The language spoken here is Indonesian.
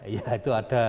iya itu ada